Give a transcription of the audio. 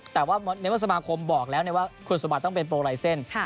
แต่ว่าในเมื่อสมาคมบอกแล้วว่าคุณสมบัติต้องเป็นโปรไลเซ็นต์